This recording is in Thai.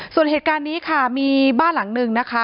ส่วนเหตุการณ์นี้ค่ะมีบ้านหลังนึงนะคะ